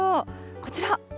こちら。